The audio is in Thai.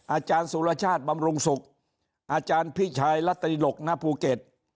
อาจารย์สุรชาติบำรุงศุกร์อาจารย์พิชัยรัตหลกณภูเก็ต